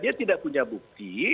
dia tidak punya bukti